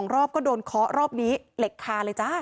รอบก็โดนเคาะรอบนี้เหล็กคาเลยจ้า